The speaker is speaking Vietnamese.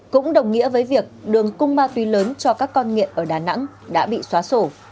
cũng đồng nghĩa với việc đường cung ma túy lớn cho các con nghiện ở đà nẵng đã bị xóa sổ